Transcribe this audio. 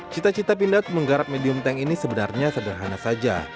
cita cita pindad menggarap medium tank ini sebenarnya sederhana saja